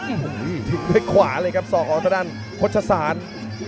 โอ้โหทิ้งด้วยขวาเลยครับส่อของตะดันพจศาสตร์